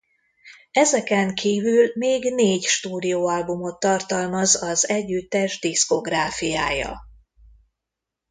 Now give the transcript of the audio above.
Ezeken kívül még négy stúdióalbumot tartalmaz az együttes diszkográfiája.